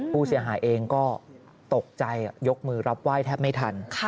ผู้เสียหายเองก็ตกใจยกมือรับไหว้แทบไม่ทัน